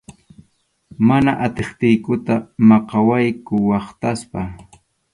Mana atiptiykuta maqawaqku haytʼaspa.